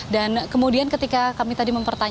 dan kemudian ketika kami tadi mempertahankan